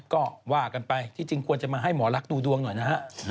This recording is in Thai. ก็ว่ากันไปที่จริงควรจะมาให้หมอลักษณ์ดูดวงหน่อยนะฮะ